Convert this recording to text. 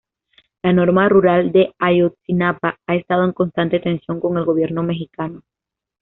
La Normal Rural de Ayotzinapa ha estado en constante tensión con el gobierno mexicano.